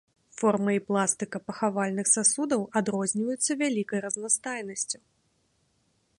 Форма і пластыка пахавальных сасудаў адрозніваюцца вялікай разнастайнасцю.